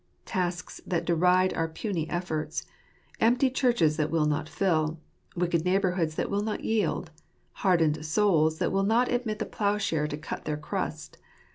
Tasks that deride our puny efforts; empty churches that will not fill; wicked neighbourhoods that will not yield; hardened soils that will not admit the ploughshare to cut into their crust.